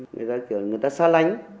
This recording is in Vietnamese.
người ta kiểu người ta xa lánh